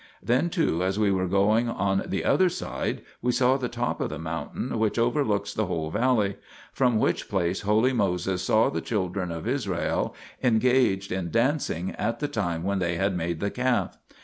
Then, too, as we were going on the other side we saw the top of the mountain which overlooks the whole valley ; from which place holy Moses saw the children of Israel engaged in dancing at the time when they had made the calf.